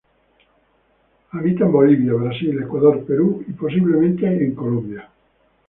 Habita en Bolivia, Brasil, Ecuador, Perú y posiblemente en Colombia.